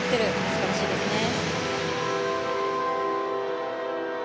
素晴らしいですね。